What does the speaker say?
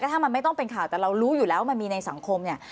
ถ้ามันไม่ต้องเป็นข่าวแต่เรารู้อยู่แล้วมันมีในสังคมเนี่ย